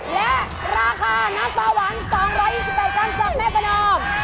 และราคาน้ำปลาหวาน๒๒๘กรัมจากแม่ประนอม